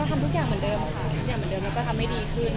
ทำทุกอย่างเหมือนเดิมค่ะทุกอย่างเหมือนเดิมแล้วก็ทำให้ดีขึ้น